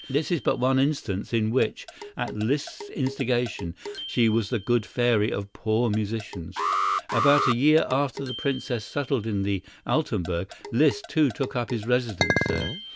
This is but one instance in which, at Liszt's instigation, she was the good fairy of poor musicians. About a year after the Princess settled in the Altenburg, Liszt, too, took up his residence there.